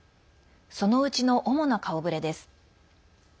そのうちの主な顔ぶれです。